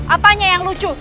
apanya yang lucu